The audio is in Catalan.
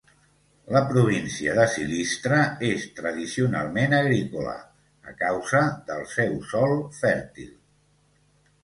La província de Silistra és tradicionalment agrícola, a causa del seu sòl fèrtil.